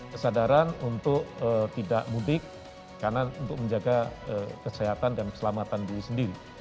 kesadaran untuk tidak mudik karena untuk menjaga kesehatan dan keselamatan diri sendiri